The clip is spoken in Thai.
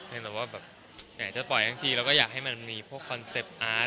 เพียงแต่ว่าแบบอยากจะปล่อยทั้งทีแล้วก็อยากให้มันมีพวกคอนเซ็ปต์อาร์ต